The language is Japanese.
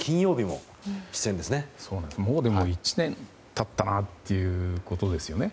もう１年経ったということですよね。